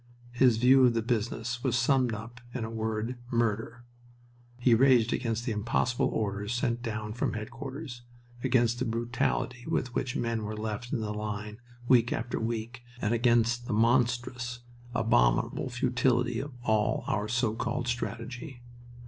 His view of the business was summed up in the word "murder." He raged against the impossible orders sent down from headquarters, against the brutality with which men were left in the line week after week, and against the monstrous, abominable futility of all our so called strategy.